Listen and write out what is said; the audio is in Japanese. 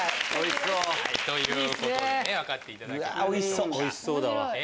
おいしそうだわ。